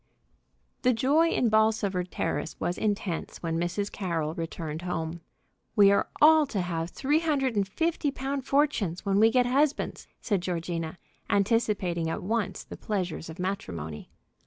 The joy in Bolsover Terrace was intense when Mrs. Carroll returned home. "We are all to have three hundred and fifty pound fortunes when we get husbands!" said Georgina, anticipating at once the pleasures of matrimony.